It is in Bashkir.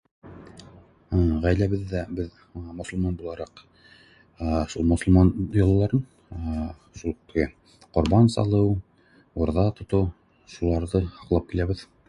Әә ғаиләбеҙҙә беҙ мосолман булараҡ шул мосолман йолаларын шул теге ҡорбан салыу, ураҙа тотоу шуларҙы һаҡлап киләбеҙ